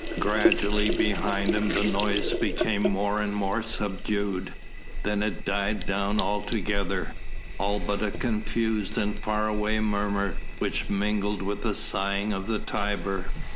Gradually behind him the noise became more and more subdued, then it died down altogether all but a confused and far away murmur which mingled with the sighing of the Tiber.